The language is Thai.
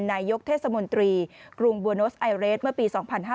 นายกเทศมนตรีกรุงบัวโนสไอเรสเมื่อปี๒๕๕๙